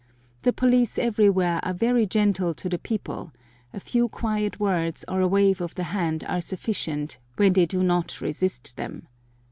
The police everywhere are very gentle to the people,—a few quiet words or a wave of the hand are sufficient, when they do not resist them.